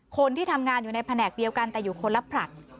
คนที่ทำงานอยู่ในแผนกเดียวกันแต่อยู่คนละผลัด